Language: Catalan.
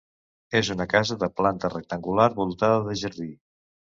És una casa de planta rectangular voltada de jardí.